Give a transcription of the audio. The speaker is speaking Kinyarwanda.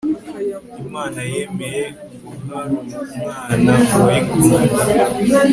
Imana yemeye guharumwana wayikunda